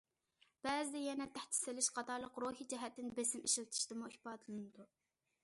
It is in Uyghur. بەزىدە يەنە تەھدىت سېلىش قاتارلىق روھى جەھەتتىن بېسىم ئىشلىتىشتىمۇ ئىپادىلىنىدۇ.